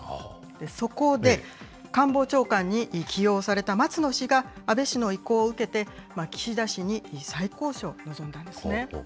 そこで、官房長官に起用された松野氏が、安倍氏の意向を受けて、岸田氏に再交渉を望んだんですね。